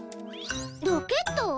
ロケット？